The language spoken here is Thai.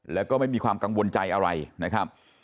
แล้วก็ไม่มีความกังวลใจอะไรนะครับ